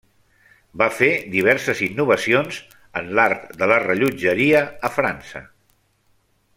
Va fer diverses innovacions en l'art de la rellotgeria a França.